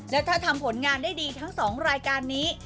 และถ้าทำผลงานได้ดีทั้ง๒รายการนี้